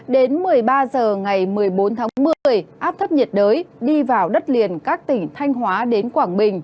đến một mươi ba h ngày một mươi bốn tháng một mươi áp thấp nhiệt đới đi vào đất liền các tỉnh thanh hóa đến quảng bình